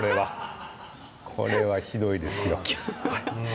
これはひどいですよ。